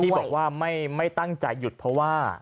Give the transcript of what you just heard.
ที่บอกว่าไม่ตั้งใจหยุดเพราะว่า